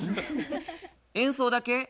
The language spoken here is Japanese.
演奏だけ？